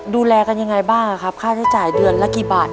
ดูแลกันยังไงบ้างครับค่าใช้จ่ายเดือนละกี่บาท